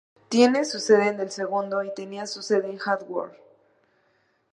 Tiene su sede en El Segundo, y tenía su sede en Hawthorne.